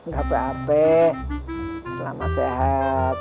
gapapa selama sehat